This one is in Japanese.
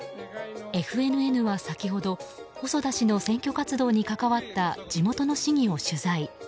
ＦＮＮは先ほど細田氏の選挙活動に関わった地元の市議を取材。